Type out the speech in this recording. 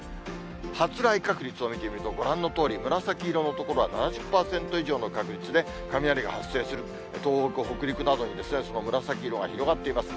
発雷確率を見てみると、ご覧のとおり、紫色の所は７０％以上の確率で、雷が発生する、東北、北陸などに、紫色が広がっています。